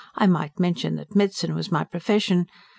I might mention that medicine was my profession.